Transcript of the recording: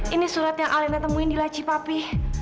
ini surat yang alina temuin di laci papi